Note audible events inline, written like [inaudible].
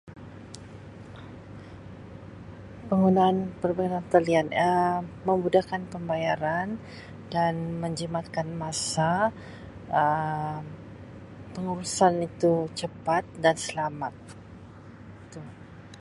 Penggunaan [unintelligible] talian Um memudahkan pembayaran dan menjimatkan masa Um pengurusan itu cepat dan selamat itu.